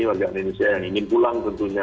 warga indonesia yang ingin pulang tentunya